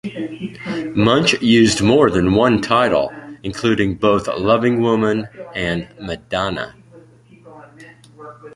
Munch used more than one title, including both "Loving Woman" and "Madonna".